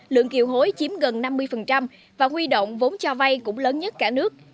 lượng kiều hối chiếm gần năm mươi và huy động vốn cho vay cũng lớn nhất cả nước